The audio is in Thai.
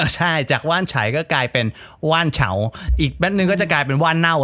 ใช่จากว่านฉัยก็กลายเป็นว่านเฉาอีกแป๊บนึงก็จะกลายเป็นว่านเน่า